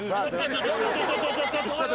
ちょっと。